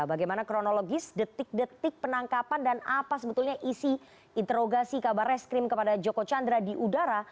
bagaimana kronologis detik detik penangkapan dan apa sebetulnya isi interogasi kabar reskrim kepada joko chandra di udara